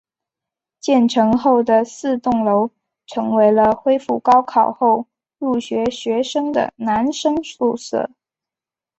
建成后的四栋楼成为了恢复高考后入学学生的男生宿舍。